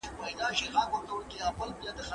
آیا پښتو ژبه په انټرنیټ کې خپل ځای موندلی دی؟